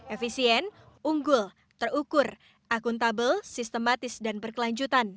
efisien unggul terukur akuntabel sistematis dan berkelanjutan